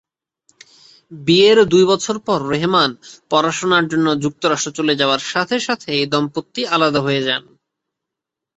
বিয়ের দুই বছর পর রেহমান পড়াশোনার জন্য যুক্তরাষ্ট্রে চলে যাওয়ার সাথে সাথে এই দম্পতি আলাদা হয়ে যান।